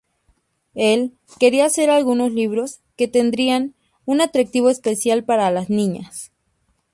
Él quería hacer algunos libros que tendrían un atractivo especial para las niñas.